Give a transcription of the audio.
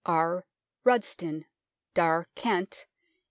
R. Rudston. Dar. Kent.